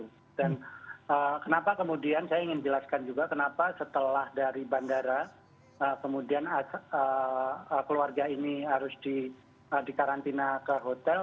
dan kenapa kemudian saya ingin jelaskan juga kenapa setelah dari bandara kemudian keluarga ini harus dikarantina ke hotel